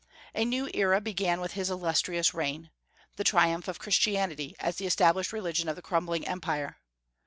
A new era began with his illustrious reign, the triumph of Christianity as the established religion of the crumbling Empire.